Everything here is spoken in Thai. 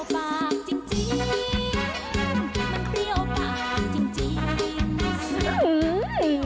มันเปรี้ยวปากจริง